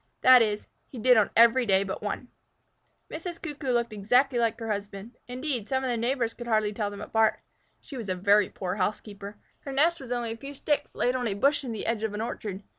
That is, he did on every day but one. Mrs. Cuckoo looked exactly like her husband. Indeed, some of their neighbors could hardly tell them apart. She was a very poor housekeeper. Her nest was only a few sticks laid on a bush in the edge of an orchard.